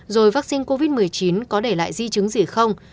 rồi vaccine covid một mươi chín có để lại di chứng gì không